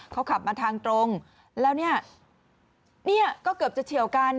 เขาขับมาทางตรงแล้วเนี่ยก็เกือบจะเฉียวกัน